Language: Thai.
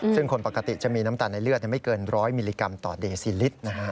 ซึ่งคนปกติจะมีน้ำตาลในเลือดไม่เกิน๑๐๐มิลลิกรัมต่อเดซิลิตร